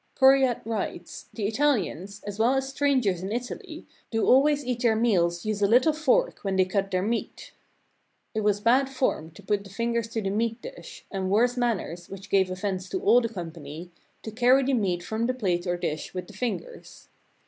Coryat writes : "The Ital ians, as well as strangers in Italy, do always at their meals use a little fork when they cut their meat." It was bad form to put the fingers to the meat dish, and worse manners, which gave offense to all the company, to carry the meat from the plate or dish with the fingers.